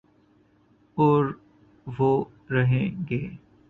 اوروہ رہیں گے